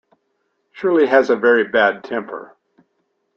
Shirley has a very bad temper.